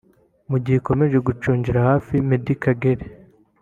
Mu gihe ikomeje gucungira hafi Meddie Kagere